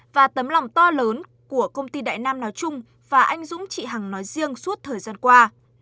và tấm lòng to lớn của công ty đại nam nói chung và anh dũng chị hằng nói riêng suốt thời gian qua